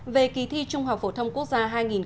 về kỳ thi trung học phổ thông quốc gia hai nghìn một mươi tám